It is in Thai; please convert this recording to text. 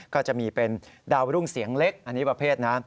ก็จะมีเป็นดาวรุ่งเสียงเล็กอันนี้ประเภทนะ